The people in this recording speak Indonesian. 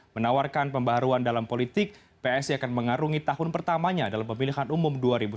menawarkan pembaruan dalam politik psi akan mengarungi tahun pertamanya dalam pemilihan umum dua ribu sembilan belas